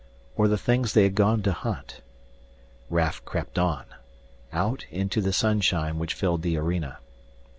Or the things they had gone to hunt? Raf crept on out into the sunshine which filled the arena.